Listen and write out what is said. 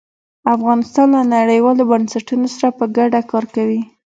افغانستان له نړیوالو بنسټونو سره په ګډه کار کوي.